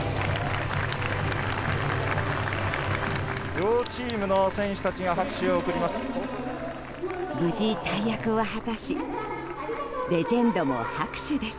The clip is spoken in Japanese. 両チームの選手たちが拍手を送ります。